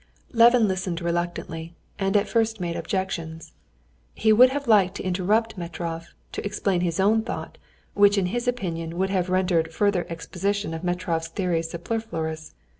Levin listened reluctantly, and at first made objections. He would have liked to interrupt Metrov, to explain his own thought, which in his opinion would have rendered further exposition of Metrov's theories superfluous.